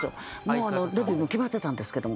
もうデビューも決まってたんですけども。